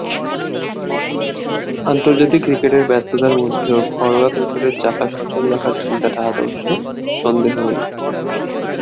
আন্তর্জাতিক ক্রিকেটের ব্যস্ততার মধ্যেও ঘরোয়া ক্রিকেটের চাকা সচল রাখার চিন্তাটা আদর্শ, সন্দেহ নেই।